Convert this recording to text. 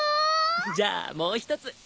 じゃあもう一つ。